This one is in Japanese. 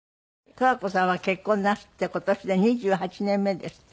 十和子さんは結婚なすって今年で２８年目ですって？